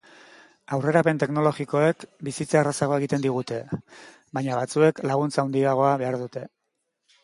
Aurrerapen teknologikoek bizitza errazagoa egiten digute, baina batzuek laguntza handiagoa behar dute.